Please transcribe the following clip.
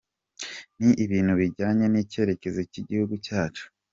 Ni ibintu bijyanye n’icyerekezo cy’igihugu cyacu.”